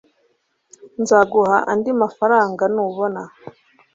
nzaguha andi mafaranga nubona